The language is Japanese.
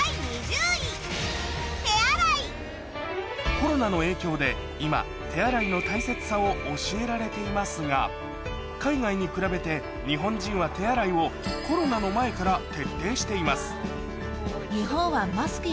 コロナの影響で今手洗いの大切さを教えられていますが海外に比べて日本人は手洗いをコロナの前から徹底しています